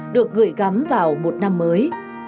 được gửi gắm vào một năm mới